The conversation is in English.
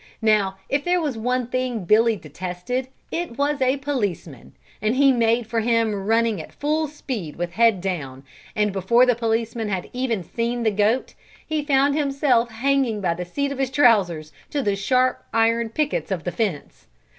Now if there was one thing Billy detested, it was a policeman, and he made for him running at full speed with head down, and before the policeman had even seen the goat he found himself hanging by the seat of his trousers to the sharp iron pickets of the fence.